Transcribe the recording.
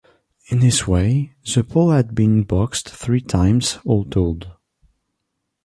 In this way, the pole had been boxed three times all told.